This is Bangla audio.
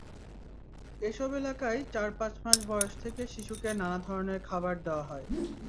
এসব এলাকায় চার-পাঁচ মাস বয়স থেকে শিশুকে নানা ধরনের খাবার দেওয়া হয়।